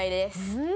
「うん？」